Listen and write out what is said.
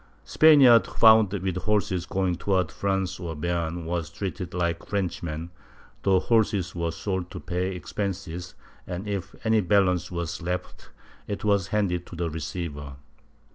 Span iards found with horses going towards France or Beam, were treated like Frenchmen — the horses were sold to pay expenses and, if any balance was left, it was handed to the receiver.